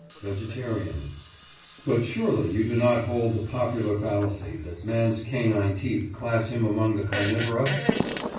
VEGETARIAN: But surely you do not hold the popular fallacy that man's canine teeth class him among the carnivora?